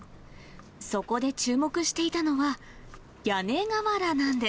そこで注目していたのは、屋根瓦なんです。